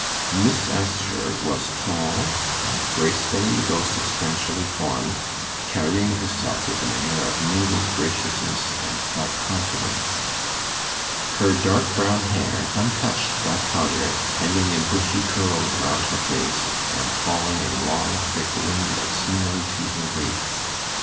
Miss Assher was tall, and gracefully though substantially formed, carrying herself with an air of mingled graciousness and self confidence; her dark brown hair, untouched by powder, hanging in bushy curls round her face, and falling in long thick ringlets nearly to her waist.